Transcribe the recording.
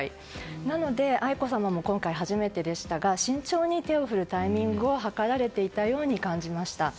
なので、愛子さまも今回、初めてでしたが慎重に手を振るタイミングをはかられていたように見えました。